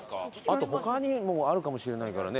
あと他にもあるかもしれないからね。